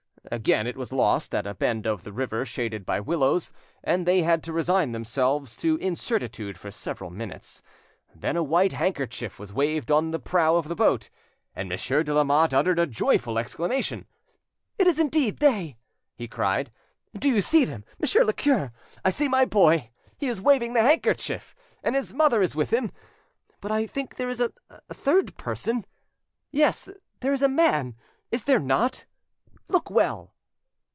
Again it was lost at a bend of the river shaded by willows, and they had to resign themselves to incertitude for several minutes. Then a white handkerchief was waved on the prow of the boat, and Monsieur de Lamotte uttered a joyful exclamation. "It is indeed they!" he cried. "Do you see them, Monsieur le cure? I see my boy; he is waving the handkerchief, and his mother is with him. But I think there is a third person—yes, there is a man, is there not? Look well."